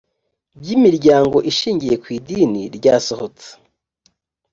by imiryango ishingiye ku idini ryasohotse